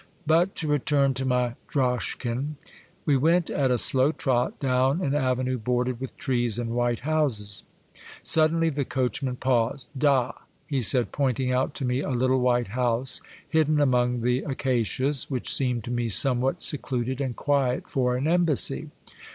But to return to my droschken. We went at a slow trot down an avenue bordered with trees and white houses. Suddenly the coach man paused. *' Da^' he said pointing out to me a little white house, hidden among the acacias, which seemed to me somewhat secluded and quiet for an embassy.